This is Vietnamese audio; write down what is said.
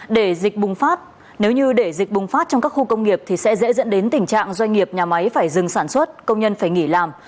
để dịch bùng phát nếu như để dịch bùng phát trong các khu công nghiệp thì sẽ dễ dẫn đến tình trạng doanh nghiệp nhà máy phải dừng sản xuất công nhân phải nghỉ làm